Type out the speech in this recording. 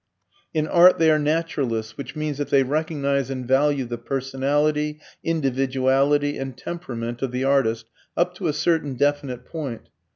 In art they are naturalists, which means that they recognize and value the personality, individuality and temperament of the artist up to a certain definite point.